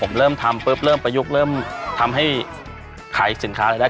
ผมเริ่มทำปุ๊บเริ่มประยุกต์เริ่มทำให้ขายสินค้าอะไรได้